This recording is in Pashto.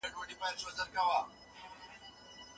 دا هغه فيلسوف دی چي په فلسفه پوهيږي.